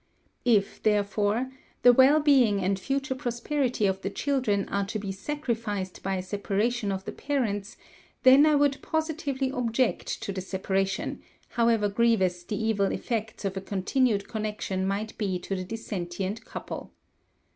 If, therefore, the well being and future prosperity of the children are to be sacrificed by a separation of the parents, then I would positively object to the separation, however grievous the evil effects of a continued connection might be to the dissentient couple.